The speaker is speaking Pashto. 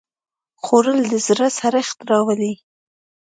خوړل د زړه سړښت راولي